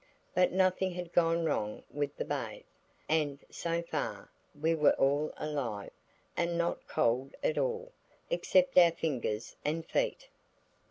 But nothing had gone wrong with the bathe, and, so far, we were all alive, and not cold at all, except our fingers and feet.